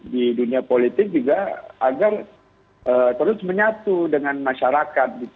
di dunia politik juga agar terus menyatu dengan masyarakat